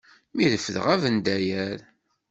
Mi refdeɣ abendayer.